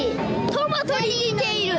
トマトに似ている。